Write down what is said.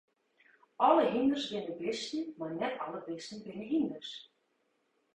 Alle hynders binne bisten, mar net alle bisten binne hynders.